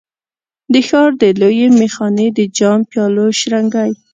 د ښار د لویې میخانې د جام، پیالو شرنګی